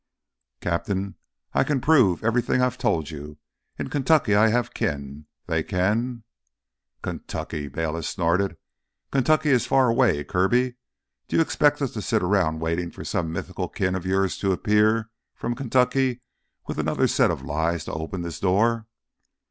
"Captain, I can prove everything I've told you. In Kentucky I have kin. They can——" "Kentucky!" Bayliss snorted. "Kentucky is far away, Kirby. Do you expect us to sit around waiting for some mythical kin of yours to appear from Kentucky with another set of lies to open this door?"